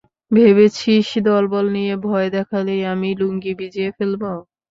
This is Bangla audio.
ভেবেছিস দলবল নিয়ে ভয় দেখালেই আমি লুঙ্গি ভিজিয়ে ফেলব?